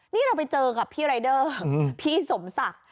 นี่เราไปเจอกับพี่รายเดอร์พี่สมศักดิ์